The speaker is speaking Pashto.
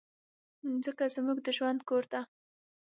مځکه زموږ د ژوند کور ده.